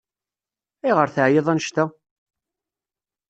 Ayɣer teɛyiḍ annect-a?